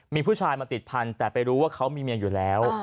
มีผู้ชายมาติดพันธุ์แต่ไปรู้ว่าเขามีเมียอยู่แล้ว